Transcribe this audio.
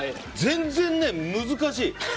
全然難しい。